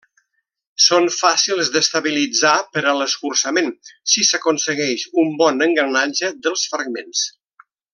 Són fàcils d'estabilitzar per a l'escurçament, si s'aconseguix un bon engranatge dels fragments.